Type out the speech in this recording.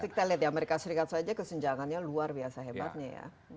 kita lihat di amerika serikat saja kesenjangannya luar biasa hebatnya ya